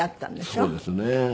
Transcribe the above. そうですね。